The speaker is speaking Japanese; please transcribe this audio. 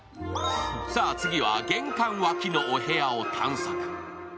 さあ次は玄関脇のお部屋を探索。